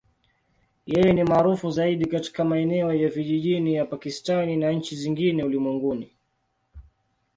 Yeye ni maarufu zaidi katika maeneo ya vijijini ya Pakistan na nchi zingine ulimwenguni.